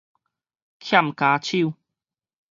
欠跤手